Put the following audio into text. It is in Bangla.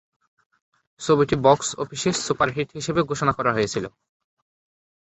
ছবিটি বক্স অফিসে সুপারহিট হিসাবে ঘোষণা করা হয়েছিল।